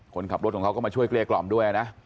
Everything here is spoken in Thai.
คนขับรถของเขาก็มาช่วยเกลี้ยกล่อมด้วยนะ